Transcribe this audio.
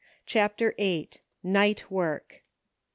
CHAPTER VIIL NIGHT WORK.